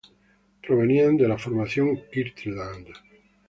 Provenían de la Formación Kirtland.